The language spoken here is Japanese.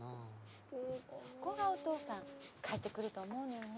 そこがお父さん帰ってくると思うのよね。